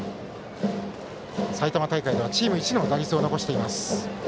埼玉大会ではチームいちの打率を残しています。